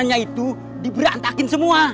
anaknya itu diberantakin semua